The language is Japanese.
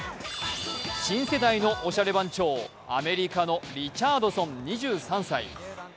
新世代のおしゃれ番長、アメリカのリチャードソン２３歳。